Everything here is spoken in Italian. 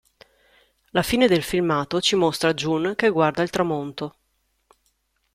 La fine del filmato ci mostra Jun che guarda il tramonto.